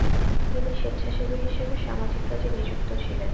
তিনি স্বেচ্ছাসেবী হিসেবে সামাজিক কাজে নিযুক্ত ছিলেন।